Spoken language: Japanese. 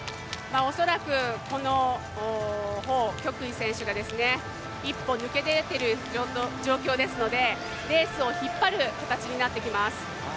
恐らくこの彭旭イ選手が一歩抜け出てる状況ですのでレースを引っ張る形になってきます。